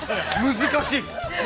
難しい。